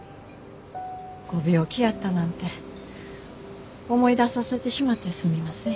ご病気やったなんて思い出させてしまってすみません。